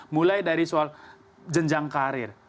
mulai dari soal jenjang karir